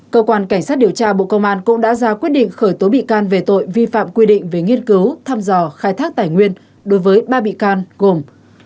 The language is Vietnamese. cơ quan cảnh sát điều tra bộ công an cũng đã ra quyết định khởi tố bị can về tội vi phạm quy định về nghiên cứu thăm dò khai thác tài nguyên đối với ba bị can gồm